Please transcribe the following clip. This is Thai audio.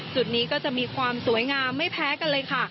จุดนี้ก็จะมีความสวยงามไม่แพ้กันเลยค่ะ